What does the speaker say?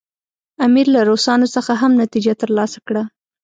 امیر له روسانو څخه هم نتیجه ترلاسه کړه.